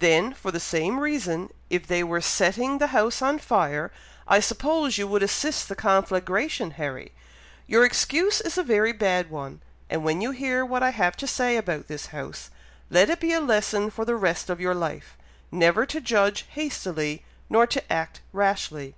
"Then, for the same reason, if they were setting the house on fire, I suppose you would assist the conflagration, Harry. Your excuse is a very bad one; and when you hear what I have to say about this house, let it be a lesson for the rest of your life, never to judge hastily, nor to act rashly.